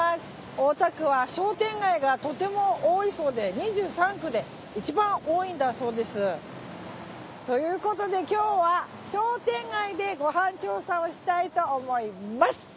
大田区は商店街がとても多いそうで２３区でいちばん多いんだそうです。ということで今日は商店街でご飯調査をしたいと思います。